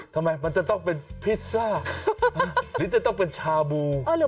ทำไมมันจะต้องเป็นพิซซ่าหรือจะต้องเป็นชาบู